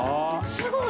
すごい。